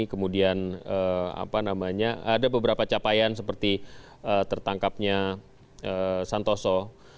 kemudian ada beberapa capaian seperti tertangkapnya santoso